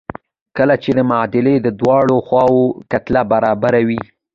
کله چې د معادلې د دواړو خواوو کتله برابره وي.